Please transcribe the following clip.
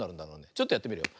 ちょっとやってみるよ。